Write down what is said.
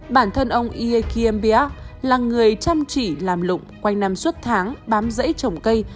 bản thân ông ikeambia là người chăm chỉ làm lụng quanh năm suốt tháng bám dãy trồng cây